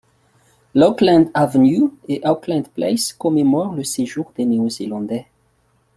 L’Auckland Avenue et Auckland Place commémorent le séjour des Néo-Zélandais.